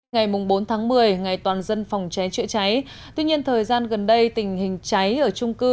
ngày bốn tháng một mươi ngày toàn dân phòng cháy chữa cháy tuy nhiên thời gian gần đây tình hình cháy ở trung cư